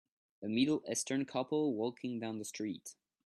A middle eastern couple walking down the street